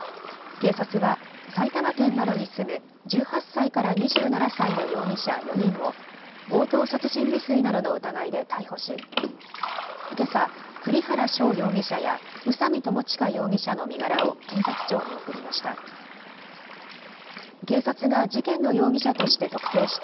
警察は埼玉県などに住む１８歳から２７歳の容疑者４人を強盗殺人未遂などの疑いで逮捕し、けさ、栗原翔容疑者や宇佐美巴悠容疑者の身柄を検察庁に送りました。